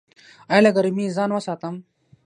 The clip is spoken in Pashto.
ایا له ګرمۍ ځان وساتم؟